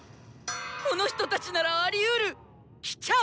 この人たちならありうる！来ちゃう！